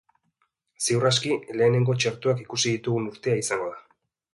Ziur aski, lehenengo txertoak ikusi ditugun urtea izango da.